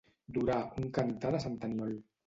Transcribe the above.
Durar un cantar de sant Aniol.